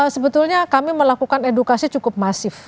sebetulnya kami melakukan edukasi cukup masif